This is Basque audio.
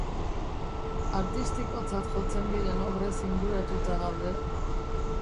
Artistikotzat jotzen diren obrez inguratuta gaude.